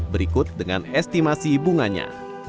berikut dengan estimasi bunganya